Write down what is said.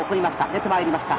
出てまいりました。